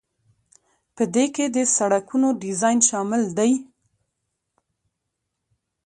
په دې کې د سړکونو ډیزاین شامل دی.